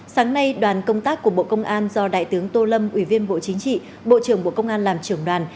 sáng nay đoàn công tác của bộ công an do đại tướng tô lâm ủy viên bộ chính trị bộ trưởng bộ công an làm trưởng đoàn